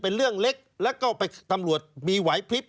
เป็นเรื่องเล็กแล้วก็ไปตำรวจมีไหวพลิบ